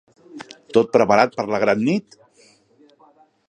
Tot preparat per la gran nit?